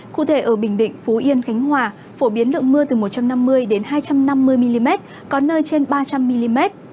cụ thể ở bình định phú yên khánh hòa phổ biến lượng mưa từ một trăm năm mươi đến hai trăm năm mươi mm có nơi trên ba trăm linh mm